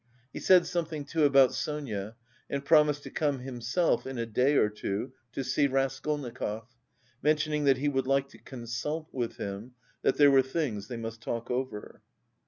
He said something too about Sonia and promised to come himself in a day or two to see Raskolnikov, mentioning that "he would like to consult with him, that there were things they must talk over...."